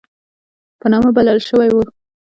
په نامه بلل شوی وو.